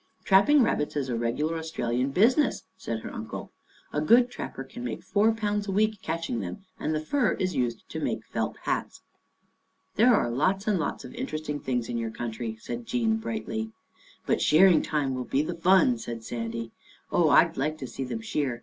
Trapping rabbits is a regular Australian business," said her uncle. " A good trapper can make £4 a week catching them, and the fur is used to make felt hats." " There are lots and lots of interesting things in your country," said Jean brightly. " But shearing time will be the fun," said Sandy. " Oh, I'd like to see them shear.